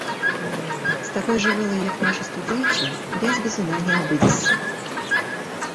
З такой жывёлай, як нашы студыйцы, без бізуна не абыдзешся.